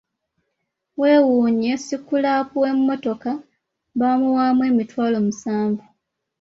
Weewuunye sikulaapu w'emmotoka baamuwaamu emitwalo musanvu.